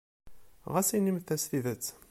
Ɣas inimt-as tidet.